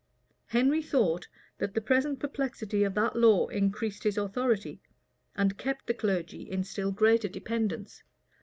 Henry thought, that the present perplexity of that law increased his authority, and kept the clergy in still greater dependence.